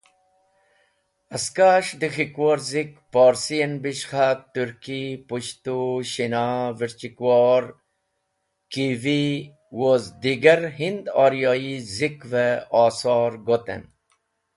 Haskaes̃h de k̃hikwor Zik Porsi en Bishkha Turki; Pushtu; Shina; Wirchikwor; Kivi woz digar Hind Aryayi zikve asar gotten.